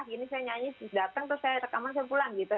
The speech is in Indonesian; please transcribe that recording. gini saya nyanyi terus datang terus saya rekaman saya pulang gitu